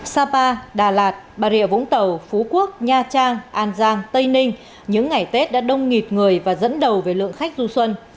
sapa đà lạt bà rịa vũng tàu phú quốc nha trang an giang tây ninh những ngày tết đã đông nghịt người và dẫn đầu về lượng khách du xuân